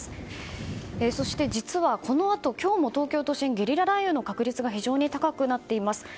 そして、実はこのあと今日も東京都心ゲリラ雷雨の確率が非常に高くなっています。